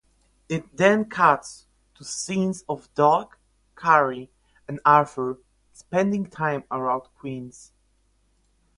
It then cuts to scenes of Doug, Carrie and Arthur spending time around Queens.